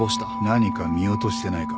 何か見落としてないか？